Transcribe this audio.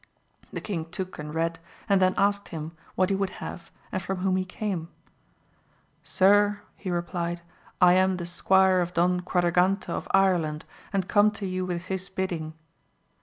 The king took and read, and then asked him what he would have, and from whom he came 1 Sir, he replied, I am the squire of Don Quadragante of Ireland, and come to you with his bidding.